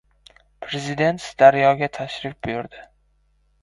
Prezident Sirdaryoga tashrif buyurdi